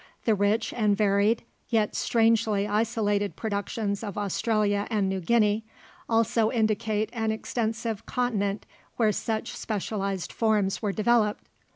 The rich and varied, yet strangely isolated productions of Australia and New Guinea, also indicate an extensive continent where such specialized forms were developed.